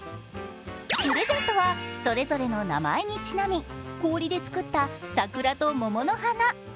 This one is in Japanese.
プレゼントはそれぞれの名前にちなみ氷で作った桜と桃の花。